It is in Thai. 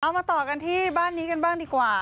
มาต่อกันที่บ้านนี้กันบ้างดีกว่า